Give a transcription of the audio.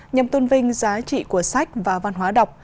nhằm tôn vinh giá trị của sách và văn hóa đọc